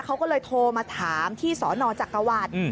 เขาก็เลยโทรมาถามที่สนจักรวรรดิ